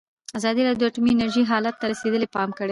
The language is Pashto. ازادي راډیو د اټومي انرژي حالت ته رسېدلي پام کړی.